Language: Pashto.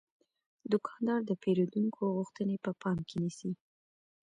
دوکاندار د پیرودونکو غوښتنې په پام کې نیسي.